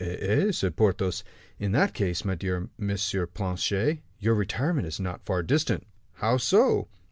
"Eh, eh!" said Porthos; "in that case, my dear Monsieur Planchet, your retirement is not far distant." "How so?"